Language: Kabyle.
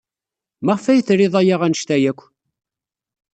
Maɣef ay trid aya anect-a akk?